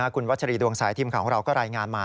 คุณวัชรีดวงสายทีมข่าวของเราก็รายงานมา